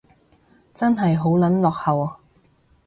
真係好撚落後